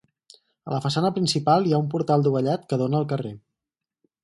A la façana principal hi ha un portal dovellat que dóna al carrer.